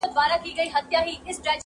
پر انګړ يې د پاتا كمبلي ژاړي،